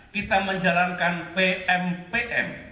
kita menjalankan pmpm